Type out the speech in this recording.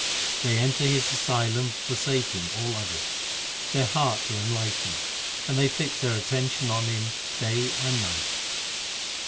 They enter His asylum forsaking all others, Their hearts are enlightened, and they fix their attention on Him day and night.